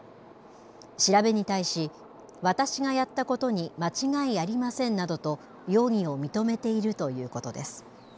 調べに対し、私がやったことに間違いありませんなどと、容疑を認めているということです。